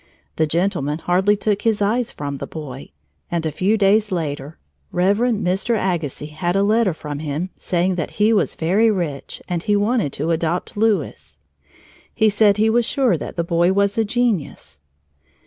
The gentleman hardly took his eyes from the boy, and a few days later Reverend Mr. Agassiz had a letter from him saying that he was very rich and that he wanted to adopt Louis. He said he was sure that the boy was a genius.